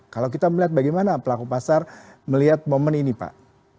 kalau kita melihat bagaimana pelaku pasar melihat momen ini pak